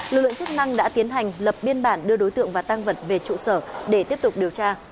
lực lượng chức năng đã tiến hành lập biên bản đưa đối tượng và tăng vật về trụ sở để tiếp tục điều tra